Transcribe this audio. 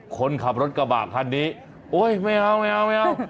คนขับรถกระบะคันนี้โอ๊ยไม่เอาไม่เอาไม่เอา